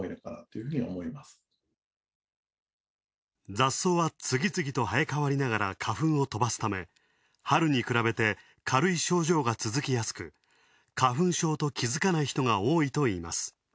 雑草は次々と生え変わりながら花粉を飛ばすため、春に比べて軽い症状が続きやすく、花粉症と気づかない人が多いといいます。